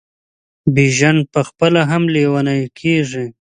بیژن پخپله هم لېونی کیږي.